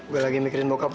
gue lagi mikirin bau kainnya